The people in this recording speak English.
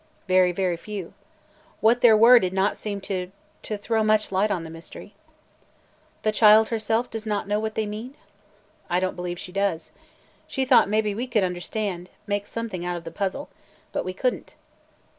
"Very, very few. What there were did not seem to – to throw much light on the mystery." "The child herself does not know what they mean?" "I don't believe she does. She thought maybe we could understand – make something out of the puzzle. But we could n't."